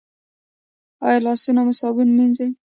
ایا لاسونه مو صابون مینځئ؟